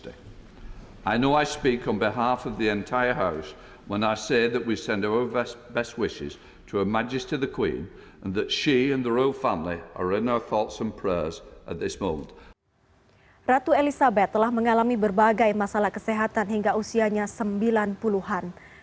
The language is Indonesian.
ratu elizabeth telah mengalami berbagai masalah kesehatan hingga usianya sembilan puluh an